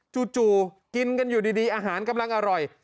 จู่กินกันอยู่ดีอาหารกำลังอร่อย